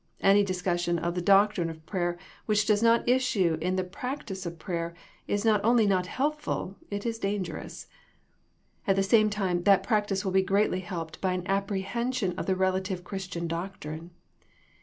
Any discussion of the doctrine of prayer which does not issue in the practice of prayer is not only not helpful, it is dangerous. At the same time that practice will be greatly helped by an apprehen sion of the relative Christian doctrine.